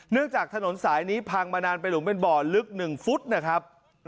จากถนนสายนี้พังมานานไปหลุมเป็นบ่อลึก๑ฟุตนะครับ